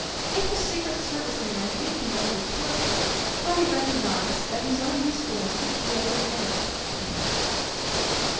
If the secret service man weakened under torture, Cutty recognized that his own usefulness would be at an end.